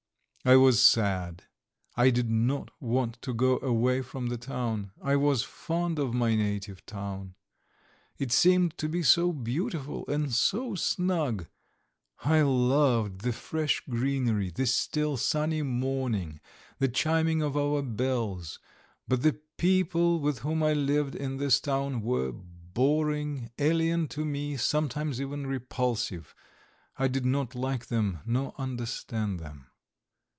I was sad, and did not want to go away from the town. I was fond of my native town. It seemed to be so beautiful and so snug! I loved the fresh greenery, the still, sunny morning, the chiming of our bells; but the people with whom I lived in this town were boring, alien to me, sometimes even repulsive. I did not like them nor understand them.